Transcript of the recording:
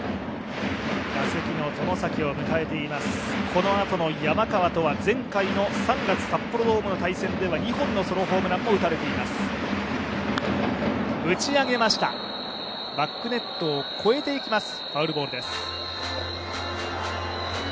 このあとの山川とは、前回の３月、札幌ドームの対戦では２本のソロホームランも打たれています。